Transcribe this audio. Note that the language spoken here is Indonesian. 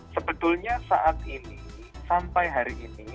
sebetulnya saat ini sampai hari ini